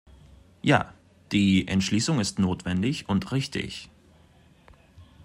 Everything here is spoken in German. Ja, die Entschließung ist notwendig und richtig.